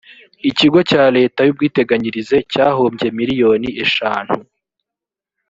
ikigo cya leta cy ubwiteganyirize cyahombye miriyoni ishantu.